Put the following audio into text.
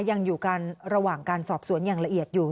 ยังอยู่กันระหว่างการสอบสวนอย่างละเอียดอยู่